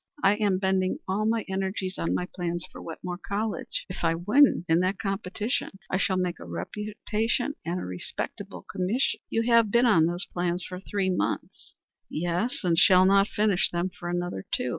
I am bending all my energies on my plans for Wetmore College. If I win in that competition, I shall make a reputation and a respectable commission." "You have been on those plans three months." "Yes, and shall not finish them for another two.